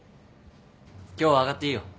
今日は上がっていいよ。